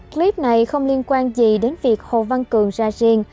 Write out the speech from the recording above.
clip này không liên quan gì đến việc hồ văn cường ra riêng